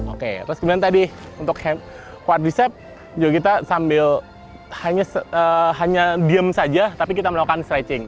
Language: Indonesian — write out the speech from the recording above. oke terus kemudian tadi untuk quardicept juga kita sambil hanya diem saja tapi kita melakukan stretching